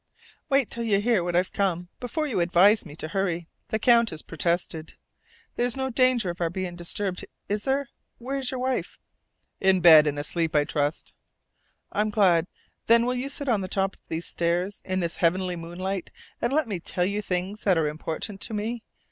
"Wait till you hear why I've come before you advise me to hurry!" the Countess protested. "There's no danger of our being disturbed, is there? Where is your wife?" "In bed and asleep, I trust." "I'm glad. Then will you sit on the top of these steps in this heavenly moonlight and let me tell you things that are important to me?